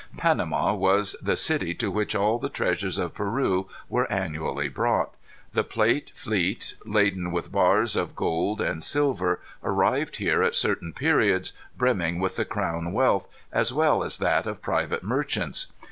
"Panama was the city to which all the treasures of Peru were annually brought. The plate fleet, laden with bars of gold and silver, arrived here at certain periods, brimming with the crown wealth, as well as that of private merchants.